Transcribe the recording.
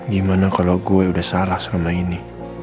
gimana kalau gue udah salah selama ini